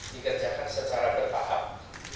dikerjakan secara berpaham